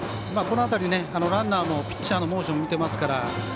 この辺り、ランナーもピッチャーのモーション見てますから。